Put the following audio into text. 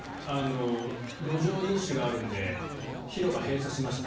路上飲酒があるので広場を閉鎖しました。